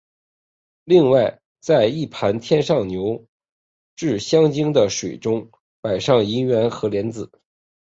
另外在一盘添上牛至香精的水中摆上银元和莲子。